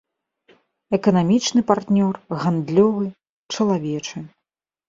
Эканамічны партнёр, гандлёвы, чалавечы.